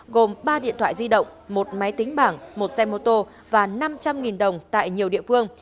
gồm ba điện thoại di động một máy tính bảng một xe mô tô và năm trăm linh đồng tại nhiều địa phương